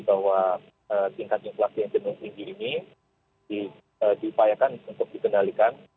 bahwa tingkat inflasi yang jenuh tinggi ini diupayakan untuk dikendalikan